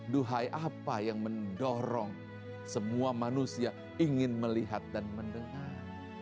duhai apa yang mendorong semua manusia ingin melihat dan mendengar